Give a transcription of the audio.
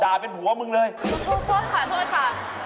ด่าเป็นผัวมึงเลยโทษค่ะ